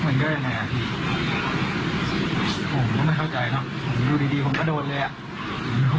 เหมือนก็ยังไงผมก็ไม่เข้าใจเนาะดูดีผมก็โดนเลยอะ